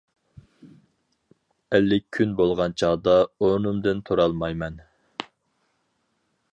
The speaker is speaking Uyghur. ئەللىك كۈن بولغان چاغدا ئورنۇمدىن تۇرالمايمەن.